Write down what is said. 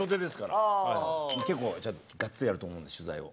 結構がっつりやると思うんで取材を。